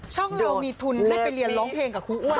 เรามีทุนให้ไปเรียนร้องเพลงกับครูอ้วน